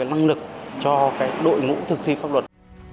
năng lực cho đội ngũ thực thi pháp luật